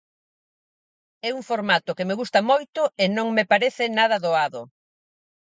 É un formato que me gusta moito e non me parece nada doado.